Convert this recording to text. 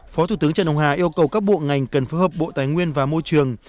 phó thủ tướng trần âu hà yêu cầu các bộ ngành cần phối hợp bộ tài nguyên và môi trường